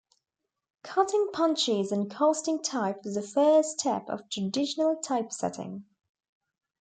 Cutting punches and casting type was the first step of traditional typesetting.